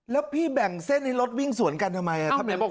แล้วพี่แบ่งเส้นให้รถวิ่งสวนกันทำไมเอ้าแหมบอก